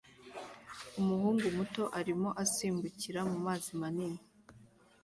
Umuhungu muto arimo asimbukira mumazi manini